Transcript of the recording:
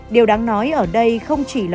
điều đáng nói ở đây không chỉ là